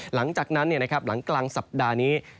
หลังจากนั้นหลังกลางสัปดาห์นี้